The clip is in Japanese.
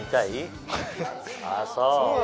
あぁそう。